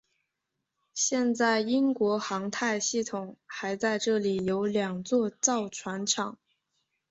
现在英国航太系统还在这里有两座造船厂。